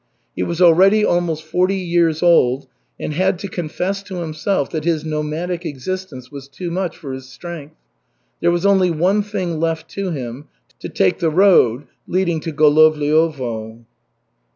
He was already almost forty years old, and had to confess to himself that his nomadic existence was too much for his strength. There was only one thing left to him, to take the road leading to Golovliovo.